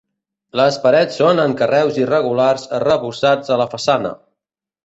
Les parets són en carreus irregulars arrebossats a la façana.